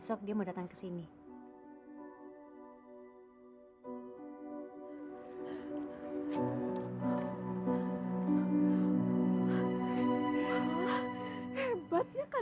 tapi dia gak mau kesini hari ini mah